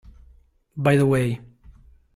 By the Way